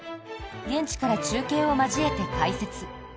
現地から中継を交えて解説。